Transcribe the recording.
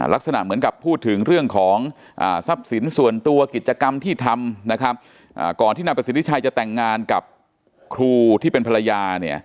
ลักษณะเหมือนกับพูดถึงเรื่องของทรัพย์สินส่วนตัวกิจกรรมที่ทำนะครับก่อนที่นายประสิทธิชัยจะแต่งงานกับครูที่เป็นภรรยาเนี่ย